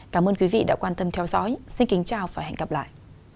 cảm ơn quý vị đã quan tâm theo dõi xin kính chào và hẹn gặp lại